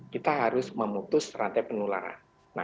kita harus memutus rantai penularan